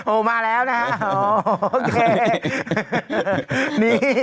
โอ้โหมาแล้วนะฮะโอเค